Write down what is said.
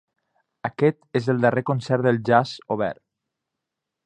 Aquest és el darrer concert del Jazz Obert.